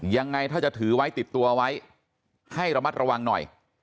ยังไงถ้าจะถือไว้ติดตัวไว้ให้ระมัดระวังหน่อย